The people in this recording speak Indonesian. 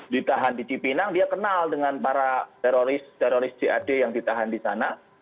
ditahan di cipinang dia kenal dengan para teroris teroris jad yang ditahan di sana